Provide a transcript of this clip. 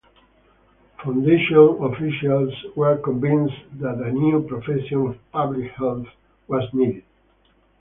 Foundation officials were convinced that a new profession of public health was needed.